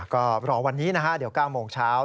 ก็รอวันนี้นะฮะเดี๋ยว๙โมงเช้า